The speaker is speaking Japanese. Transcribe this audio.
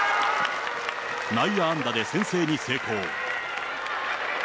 内野安打で先制に成功。